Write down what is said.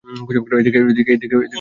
এদিকে কি দেখছিস?